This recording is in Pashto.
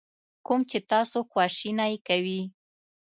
کوم چې تاسو خواشینی کوي.